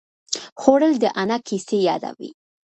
خوړل د انا کیسې یادوي